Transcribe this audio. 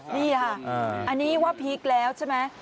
นี่ค่ะอันนี้ว่าพีคแล้วใช่ไหม